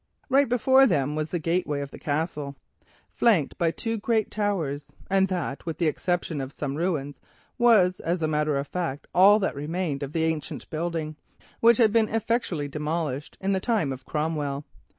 Right before them was the gateway of the Castle, flanked by two great towers, and these, with the exception of some ruins were, as a matter of fact, all that remained of the ancient building, which had been effectually demolished in the time of Cromwell.